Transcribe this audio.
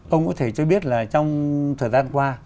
ông có thể cho biết là trong thời gian qua